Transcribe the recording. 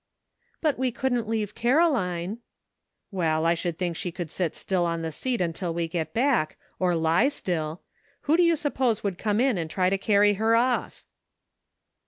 "But we couldn't leave Caroline." " Well, I should think she could sit still on the seat until we get back, or lie still ; who do you suppose would come in and try to carry her off?"